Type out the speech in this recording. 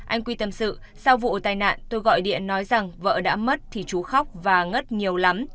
anh quy tâm sự sau vụ tai nạn tôi gọi điện nói rằng vợ đã mất thì chú khóc và ngất nhiều lắm